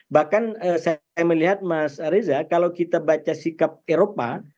bahkan saya melihat mas reza kalau kita baca sikap eropa